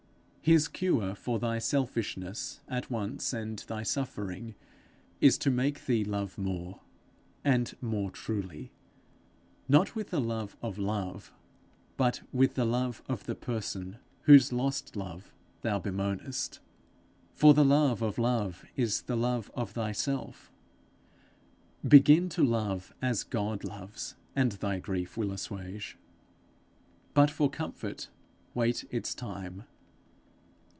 His cure for thy selfishness at once and thy suffering, is to make thee love more and more truly; not with the love of love, but with the love of the person whose lost love thou bemoanest. For the love of love is the love of thyself. Begin to love as God loves, and thy grief will assuage; but for comfort wait his time.